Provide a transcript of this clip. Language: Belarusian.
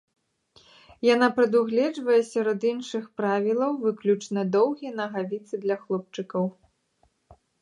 Яна прадугледжвае, сярод іншых правілаў, выключна доўгія нагавіцы для хлопчыкаў.